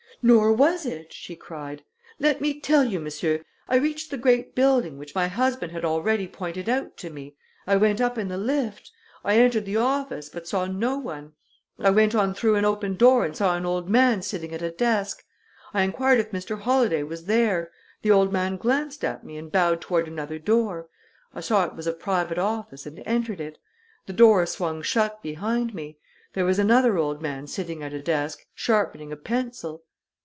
"Nor was it!" she cried. "Let me tell you, monsieur. I reached the great building, which my husband had already pointed out to me; I went up in the lift; I entered the office, but saw no one. I went on through an open door and saw an old man sitting at a desk. I inquired if Mr. Holladay was there. The old man glanced at me and bowed toward another door. I saw it was a private office and entered it. The door swung shut behind me. There was another old man sitting at a desk, sharpening a pencil."